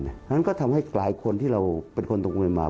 เพราะฉะนั้นก็ทำให้กลายคนที่เราเป็นคนตกลงมา